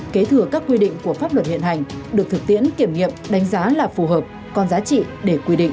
kế thừa các quy định của pháp luật hiện hành được thực tiễn kiểm nghiệm đánh giá là phù hợp còn giá trị để quy định